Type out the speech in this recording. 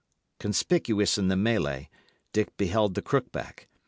Conspicuous in the mellay, Dick beheld the Crookback.